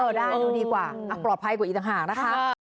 ได้ดูดีกว่าปลอดภัยกว่าอีกต่างหากนะคะ